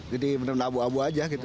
jadi bener bener abu abu aja gitu